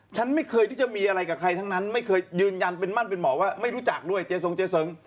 ฉันไม่เคยที่จะมีอะไรกับใครทั้งนั้นไม่เคยยืนยันเป็นมั่นเป็นหมอว่าไม่รู้จักด้วยเจสงเจเสริง